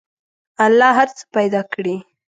الله هر څه پیدا کړي.